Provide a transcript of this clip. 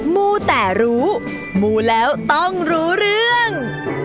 มูแต่รู้มูแล้วต้องรู้เรื่อง